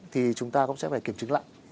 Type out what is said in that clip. thì chúng ta cũng sẽ phải kiểm chứng lại